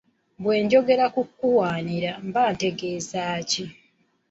Bwe njogera ku kuwanira, mba ntegeeza ki?